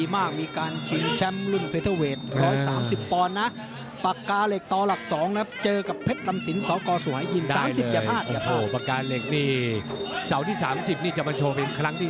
ปากกาเหล็กนี่เสาร์ที่๓๐นี่จะมาโชว์เป็นครั้งที่๓